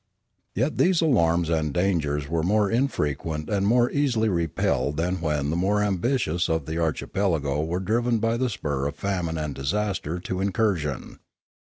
Yet these alarms and dangers were more infrequent and more easily repelled than when the more ambitious of the archipelago were driven by the spur of famine and disaster to incursion.